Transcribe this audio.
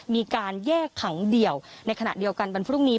มีการแยกขังเดี่ยวในขณะเดียวกันวันพรุ่งนี้